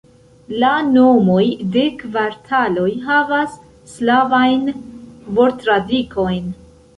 La nomoj de kvartaloj havas slavajn vortradikojn.